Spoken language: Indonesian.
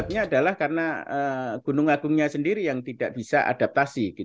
penyebabnya adalah karena gunung agungnya sendiri yang tidak bisa adaptasi